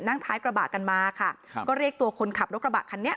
นั่งท้ายกระบะกันมาค่ะครับก็เรียกตัวคนขับรถกระบะคันนี้